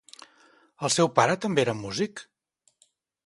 El seu pare també era músic?